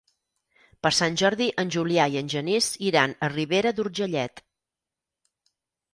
Per Sant Jordi en Julià i en Genís iran a Ribera d'Urgellet.